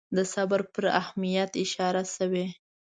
د صبر پر اهمیت اشاره شوې.